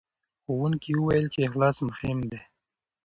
ښوونکي وویل چې اخلاص مهم دی.